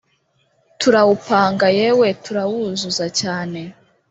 turawupanga yewe turawuzuza cyane